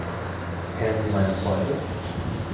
Kennen Sie meine Freunde?